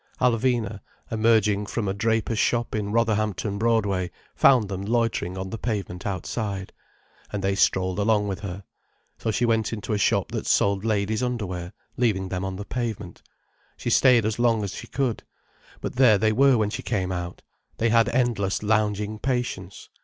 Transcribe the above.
Alvina, emerging from a draper's shop in Rotherhampton Broadway, found them loitering on the pavement outside. And they strolled along with her. So she went into a shop that sold ladies' underwear, leaving them on the pavement. She stayed as long as she could. But there they were when she came out. They had endless lounging patience.